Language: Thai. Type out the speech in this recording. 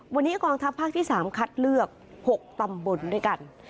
วันนี้กองทัพภาคที่๓คัดเลือก๖ตำบลด้วยกัน